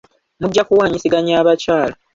Mujja kuwanyisiganya abakyala.